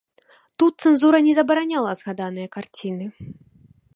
Тут цэнзура не забараняла згаданыя карціны.